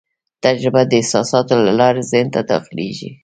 تجربه د احساساتو له لارې ذهن ته داخلېږي.